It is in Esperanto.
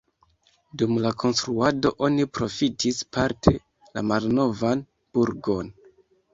Dum la konstruado oni profitis parte la malnovan burgon.